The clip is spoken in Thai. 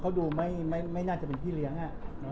เขาดูไม่น่าจะเป็นพี่เลี้ยง